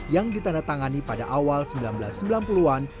yang ditandatangani pada awal seribu sembilan ratus sembilan puluh an